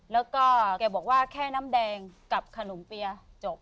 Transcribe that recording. แล้วก็แกบอกว่าแค่น้ำแดงกับขนมเปียจบ